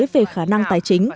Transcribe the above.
về khả năng tài chính